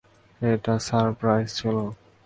এটা সারপ্রাইজ ছিল!